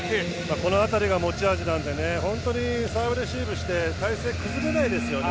この辺りが持ち味なので本当にサーブレシーブして体勢が崩れないですよね。